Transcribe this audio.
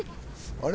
「あれ？